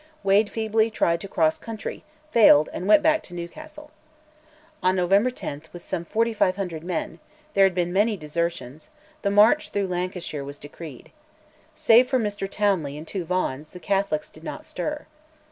Wade feebly tried to cross country, failed, and went back to Newcastle. On November 10, with some 4500 men (there had been many desertions), the march through Lancashire was decreed. Save for Mr Townley and two Vaughans, the Catholics did not stir.